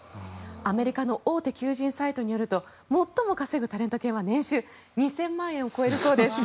アメリカの大手求人サイトによると最も稼ぐタレント犬は年収２０００万円を超えるそうです。